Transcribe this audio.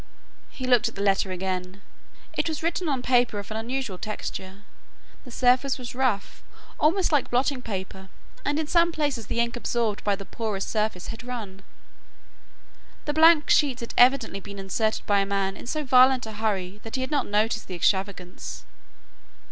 He looked at the letter again. It was written on paper of an unusual texture. The surface was rough almost like blotting paper and in some places the ink absorbed by the porous surface had run. The blank sheets had evidently been inserted by a man in so violent a hurry that he had not noticed the extravagance.